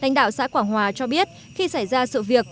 lãnh đạo xã quảng hòa cho biết khi xảy ra sự việc